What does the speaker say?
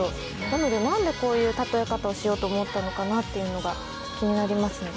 なので何でこういう例え方をしようと思ったのかなっていうのが気になりますね。